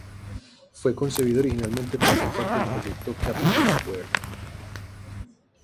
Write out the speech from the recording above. Fue concebido originalmente para ser parte del proyecto Capital Square.